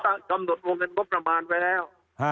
ถ้ากำหนดวงเงินงบประมาณไว้แล้ว